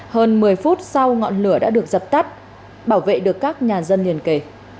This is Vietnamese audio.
hơn một mươi phút sau ngọn lửa đã được dập tắt bảo vệ được các nhà dân liền kể